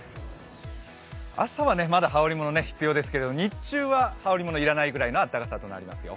朝はまだ羽織りもの必要ですけれども日中は羽織物要らないくらいの暖かさとなりますよ。